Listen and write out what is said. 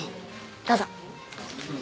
どうぞ。